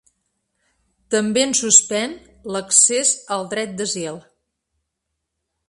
També en suspèn l’accés al dret d’asil.